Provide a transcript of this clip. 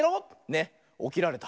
ねおきられた。